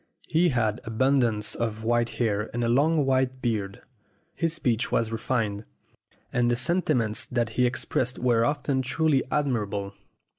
He had abundance of white hair and a long white beard. His speech was refined, and the sentiments that he expressed were often truly admirable.